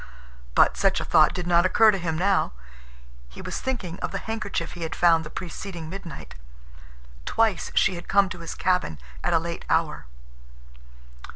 But such a thought did not occur to him now. He was thinking of the handkerchief he had found the preceding midnight. Twice she had come to his cabin at a late hour.